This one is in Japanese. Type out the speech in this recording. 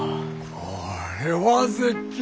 これは絶景なり。